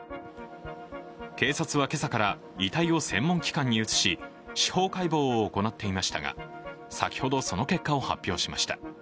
警察は今朝から遺体を専門機関に移し司法解剖を行っていましたが、先ほど、その結果を発表しました。